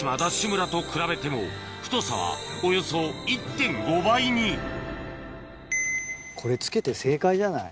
村と比べても太さはおよそ１．５倍にじゃない？